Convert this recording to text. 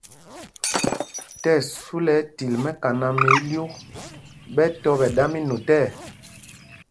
Tí ɛsu lɛ ɛtil mɛkaná mɛ ílyûk, ɓɛ tɔ́ ɓɛ̌ ɗa mí notɛɛ.